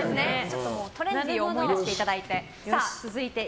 トレンディーを思い出していただいて。